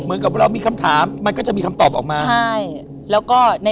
เหมือนกับเรามีคำถามมันก็จะมีคำตอบออกมา